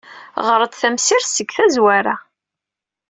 Ɣer-d tamsirt seg tazwara.